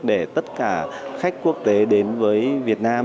để tất cả khách quốc tế đến với việt nam